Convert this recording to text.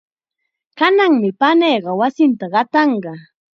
Kananmi paniiqa wasinta qatanqa.